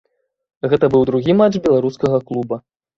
Гэта быў другі матч беларускага клуба.